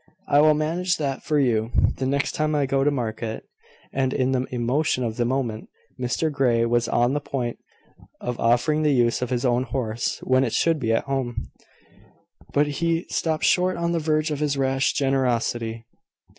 "I will manage that for you, the next time I go to market; and " In the emotion of the moment, Mr Grey was on the point of offering the use of his own horse when it should be at home: but he stopped short on the verge of his rash generosity.